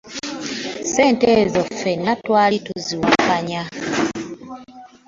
Ssente ezo ffenna twali tuziwakanya.